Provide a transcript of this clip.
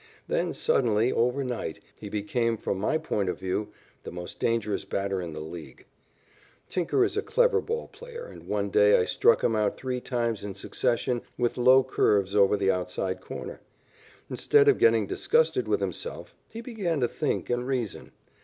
Then suddenly, overnight, he became from my point of view the most dangerous batter in the League. Tinker is a clever ball player, and one day I struck him out three times in succession with low curves over the outside corner. Instead of getting disgusted with himself, he began to think and reason.